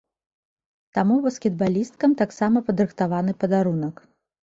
Таму баскетбалісткам таксама падрыхтаваны падарунак.